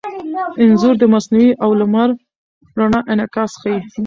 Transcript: انځور د مصنوعي او لمر رڼا انعکاس ښيي.